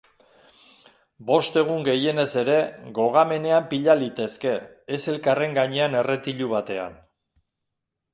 Bost egun gehienez ere gogamenean pila litezke, ez elkarren gainean erretilu batean.